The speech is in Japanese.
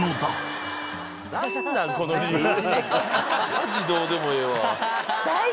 マジどうでもええわ。